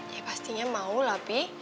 ya pastinya mau lah pi